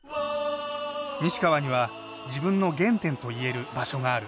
西川には自分の原点と言える場所がある。